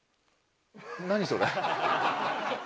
何それ。